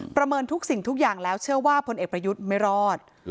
เมินทุกสิ่งทุกอย่างแล้วเชื่อว่าพลเอกประยุทธ์ไม่รอด